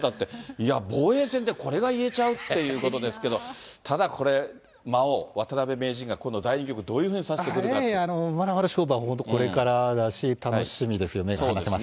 いや、防衛戦でこれが言えちゃうということですけど、ただこれ、魔王、渡辺名人がこの第２局、まだまだ勝負は本当これからだし、楽しみですよね、目が離せません。